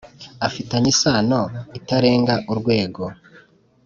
Afitanye isano itarenga urwego